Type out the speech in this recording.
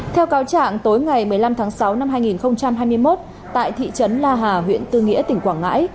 theo cáo trạng tối ngày một mươi năm tháng sáu năm hai nghìn hai mươi một tại thị trấn la hà huyện tư nghĩa tỉnh quảng ngãi